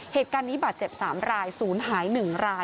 เหตุการณ์นี้บาดเจ็บ๓รายศูนย์หาย๑ราย